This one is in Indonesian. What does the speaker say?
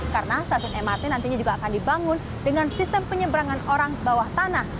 karena stasiun mrt nantinya juga akan dibangun dengan sistem penyeberangan orang bawah tanah